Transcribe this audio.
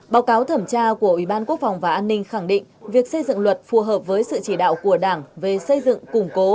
báo cáo thẩm tra của ủy ban quốc phòng và an ninh khẳng định việc xây dựng luật phù hợp với sự chỉ đạo của đảng về xây dựng củng cố